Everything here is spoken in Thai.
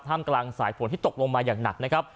มกลางสายฝนที่ตกลงมาอย่างหนักนะครับ